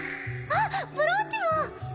あっブローチも！